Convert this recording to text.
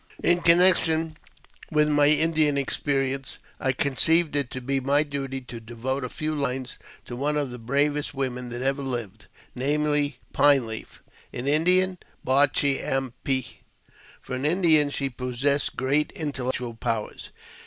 i mm ill IN connection with my Indian experience, I conceive it be my duty to devote a few lines to one of the braves! women that ever lived, namely, Pine Leaf — in Indian, Bar chee am pe. For an Indian, she possessed great intellectual powers.